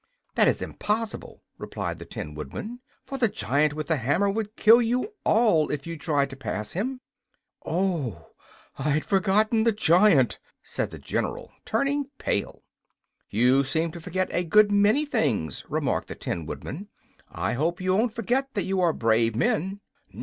"That is impossible," replied the Tin Woodman. "For the giant with the hammer would kill you all if you tried to pass him." "Oh! I'd forgotten the giant," said the general, turning pale. "You seem to forget a good many things," remarked the Tin Woodman. "I hope you won't forget that you are brave men."